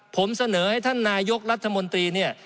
ผมเสนอให้ท่านนายกรัฐมนตรีเนี่ย